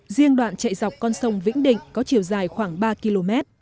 riêng đoạn chạy dọc con sông vĩnh định có chiều dài khoảng ba km